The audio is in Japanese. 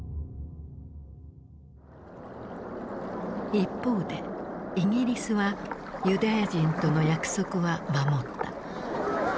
一方でイギリスはユダヤ人との約束は守った。